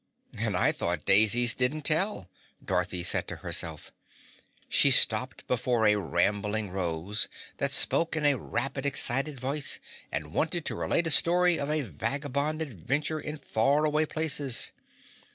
"And I thought daisies didn't tell," Dorothy said to herself. She stopped before a rambling rose that spoke in a rapid, excited voice and wanted to relate a story of vagabond adventure in far away places.